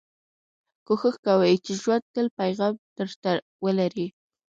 کوښښ کوئ، چي ژوند تل پیغام در ته ولري.